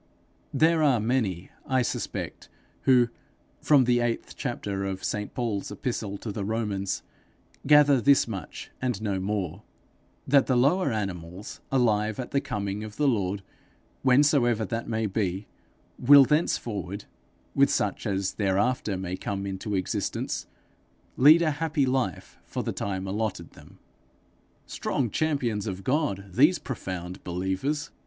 There are many, I suspect, who from the eighth chapter of St Paul's epistle to the Romans, gather this much and no more: that the lower animals alive at the coming of the Lord, whensoever that may be, will thenceforward, with such as thereafter may come into existence, lead a happy life for the time allotted them! Strong champions of God, these profound believers!